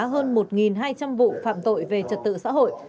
hơn một hai trăm linh vụ phạm tội về trật tự xã hội